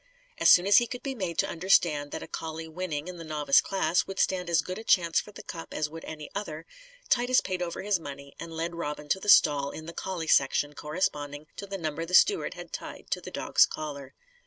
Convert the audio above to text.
As soon as he could be made to understand that a collie winning, in the novice class, would stand as good a chance for the cup as would any other, Titus paid over his money and led Robin to the stall in the collie section corresponding to the number the steward had tied to the dog's collar.